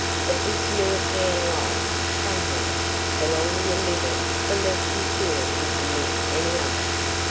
But this European life somehow, the longer you live it the less you feel you can live any other."